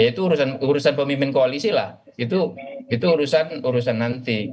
ya itu urusan pemimpin koalisi lah itu urusan nanti